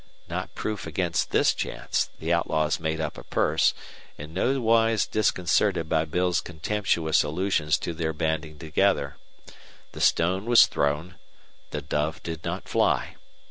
Not proof against this chance, the outlaws made up a purse, in no wise disconcerted by Bill's contemptuous allusions to their banding together. The stone was thrown. The dove did not fly.